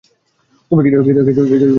তুমি কি মজা করছো?